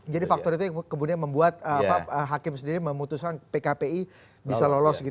jadi faktor itu yang membuat hakim memutuskan pkpi bisa lolos